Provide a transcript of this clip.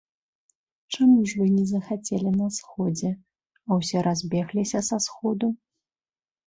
Чаму ж вы не захацелі на сходзе, а ўсе разбегліся са сходу?